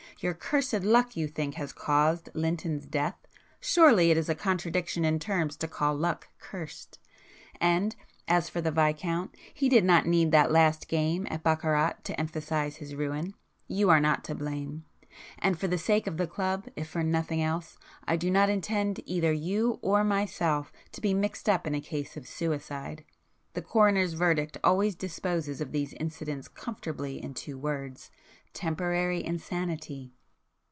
Your 'cursed luck' you think, has caused Lynton's death? Surely it is a contradiction in terms to call luck 'cursed,'—and as for the Viscount, he did not need that last game at baccarat to emphasise his ruin. You are not to blame. And for the sake of the club, if for nothing else, I do not intend either you or myself to be mixed up in a case of suicide. The coroner's verdict always disposes of these incidents comfortably in two words—'Temporary insanity.